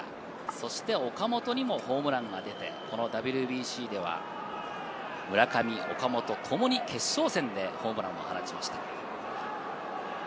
そして岡本にもホームランが出て、ＷＢＣでは村上、岡本ともに決勝戦でホームランを放ちました。